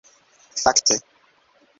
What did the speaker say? Fakte.